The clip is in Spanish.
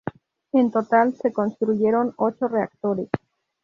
En total se construyeron ocho reactores.